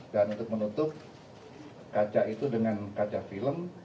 dan untuk menutup kaca itu dengan kaca film